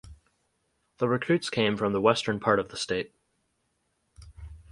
The recruits came from the western part of the state.